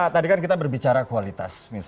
tadi kan kita berbicara kualitas